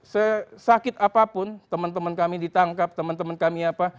sesakit apapun teman teman kami ditangkap teman teman kami apa